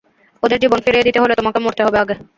ওদের জীবন ফিরিয়ে দিতে হলে তোমাকে মরতে হবে আগে।